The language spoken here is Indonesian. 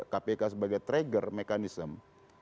kpk sebagai trigger mekanisme